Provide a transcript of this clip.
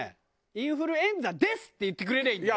「インフルエンザです！」って言ってくれりゃいいんだよね。